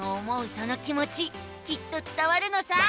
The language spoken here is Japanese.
その気もちきっとつたわるのさ。